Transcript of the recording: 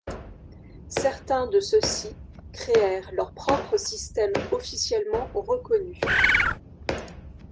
Certains de ceux-ci créèrent leur propre système officiellement reconnu.